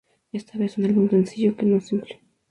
Esta vez, un álbum sencillo, que no simple.